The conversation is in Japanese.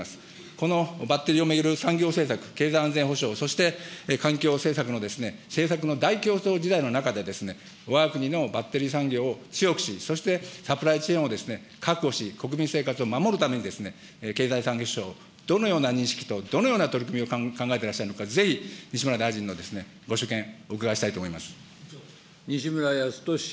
このバッテリーを巡る産業政策、経済安全保障、環境政策の政策の大競争時代の中で、わが国のバッテリー産業を強くし、そしてサプライチェーンを確保し、国民生活を守るために経済産業省、どのような認識とどのような取り組みを考えてらっしゃるのか、ぜひ西村大臣のご所見、お伺いしたいと思います。